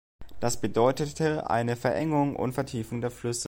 Das bedeutete eine Verengung und Vertiefung der Flüsse.